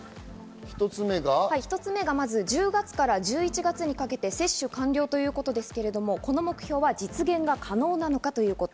１つめが１０月から１１月にかけて接種完了ということですが、この目標は実現が可能なのかということ。